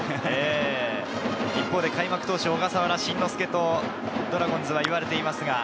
開幕投手・小笠原慎之介とドラゴンズは言われています。